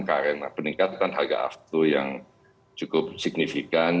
karena peningkatan harga aftur yang cukup signifikan